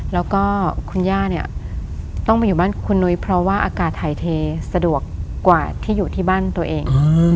แล้วก็คุณย่าเนี่ยต้องไปอยู่บ้านคุณนุ้ยเพราะว่าอากาศถ่ายเทสะดวกกว่าที่อยู่ที่บ้านตัวเอง